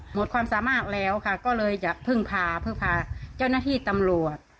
หมดความสามารถแล้วค่ะก็เลยจะพึ่งพาพึ่งพาเจ้าหน้าที่ตำรวจ